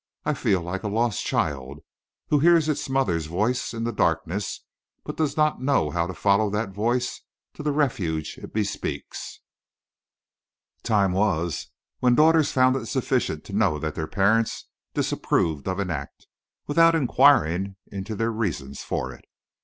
I feel like a lost child who hears its mother's voice in the darkness, but does not know how to follow that voice to the refuge it bespeaks." "Time was when daughters found it sufficient to know that their parents disapproved of an act, without inquiring into their reasons for it.